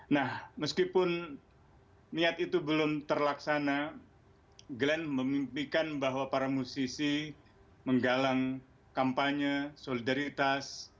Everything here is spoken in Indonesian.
nah meskipun niat itu belum terlaksana glenn memimpikan bahwa para musisi menggalang kampanye solidaritas